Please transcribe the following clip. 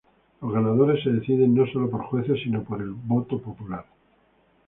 Los ganadores se deciden no solo por jueces, sino por el voto popular.